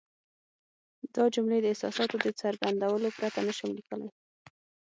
دا جملې د احساساتو د څرګندولو پرته نه شم لیکلای.